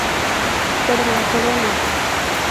Por La Corona